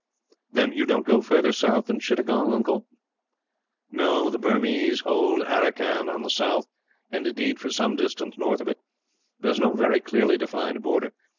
"Then you don't go further south than Chittagong, uncle?" "No. The Burmese hold Aracan on the south and, indeed, for some distance north of it there is no very clearly defined border.